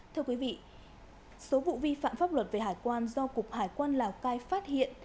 thưa quý vị số vụ vi phạm pháp luật về hải quan do cục hải quan lào cai phát hiện